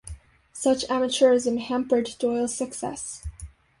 Such amateurism hampered Doyle's success.